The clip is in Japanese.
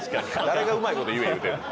誰がうまいこと言え言うてんねん。